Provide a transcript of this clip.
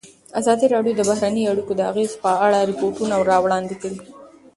ازادي راډیو د بهرنۍ اړیکې د اغېزو په اړه ریپوټونه راغونډ کړي.